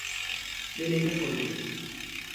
They later folded.